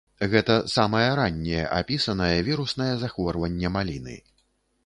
Гэта самае ранняе апісанае віруснае захворванне маліны.